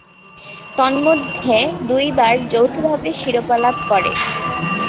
তন্মধ্যে, দুইবার যৌথভাবে শিরোপা লাভ করে।